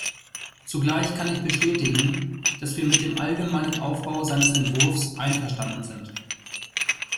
Zugleich kann ich bestätigen, dass wir mit dem allgemeinen Aufbau seines Entwurfs einverstanden sind.